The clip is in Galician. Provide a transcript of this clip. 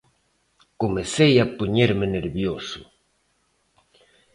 comecei a poñerme nervioso.